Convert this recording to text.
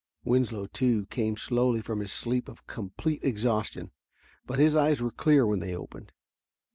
Winslow, too, came slowly from his sleep of complete exhaustion, but his eyes were clear when they opened.